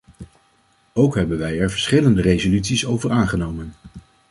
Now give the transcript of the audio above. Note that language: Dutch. Ook hebben wij er verschillende resoluties over aangenomen.